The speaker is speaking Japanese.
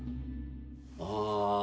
ああ。